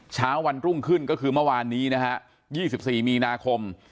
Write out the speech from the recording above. เช้าวันรุ่งขึ้นก็คือเมื่อวานนี้นะฮะ๒๔มีนาคม